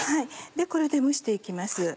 でこれで蒸して行きます。